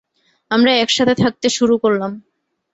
আমরা একসাথে থাকতে শুরু করলাম।